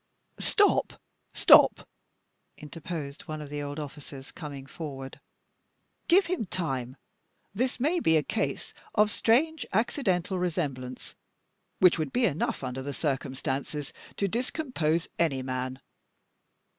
"Stop! stop!" interposed one of the old officers, coming forward. "Give him time. This may be a case of strange accidental resemblance, which would be enough, under the circumstances, to discompose any man.